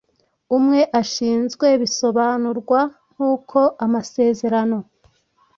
umwe ashinzwe bisobanurwa nk uko amasezerano